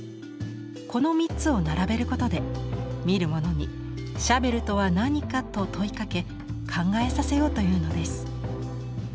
この３つを並べることで見る者に「シャベルとは何か？」と問いかけ考えさせようというのです。